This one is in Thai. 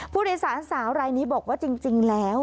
ผู้โดยสารสาวรายนี้บอกว่าจริงแล้ว